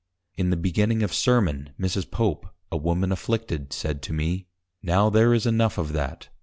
_ In the beginning of Sermon, Mrs. Pope, a Woman afflicted, said to me, _Now there is enough of that.